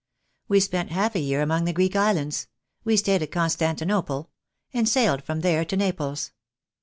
We spent half a year among the Greek islands — we stayed at Constantinople — and sailed from there to Naples.